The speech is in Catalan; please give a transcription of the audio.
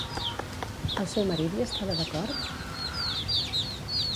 El seu marit hi estava d'acord?